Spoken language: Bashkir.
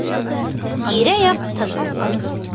Тирә-яҡ тын.